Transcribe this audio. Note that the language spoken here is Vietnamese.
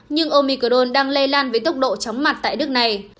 nhưng omicron đang lây lan với tốc độ chóng mặt tại nước này